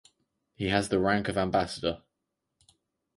He has the rank of ambassador.